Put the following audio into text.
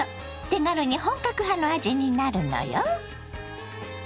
手軽に本格派の味になるのよ。